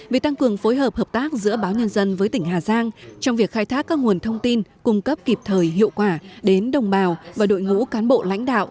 về tăng cường phối hợp hợp tác giữa báo nhân dân với tỉnh hà giang trong việc khai thác các nguồn thông tin cung cấp kịp thời hiệu quả đến đồng bào và đội ngũ cán bộ lãnh đạo